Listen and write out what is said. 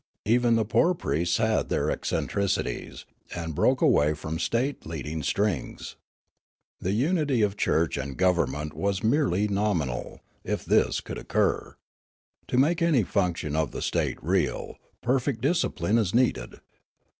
Even the poor priests had their eccentricities, and broke away from state leading strings. The unit} of church and government was merely nominal, if this could occur. To make anj' function of the state real, perfect discipline is needed.